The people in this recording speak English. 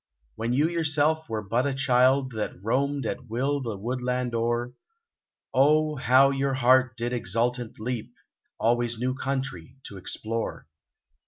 When you yourself were but a child That roamed at will the woodland o'er; Oh! how your heart did exultant leap Always new country to explore.